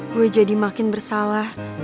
gue jadi makin bersalah